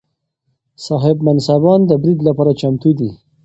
صاحب منصبان د برید لپاره چمتو دي.